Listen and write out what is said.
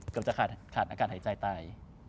เกือบจะขาดอากาศหายใจตาย